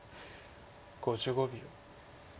５５秒。